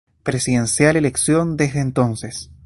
Presidencial elección desde entonces.